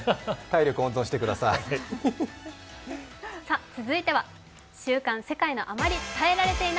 体力温存してください。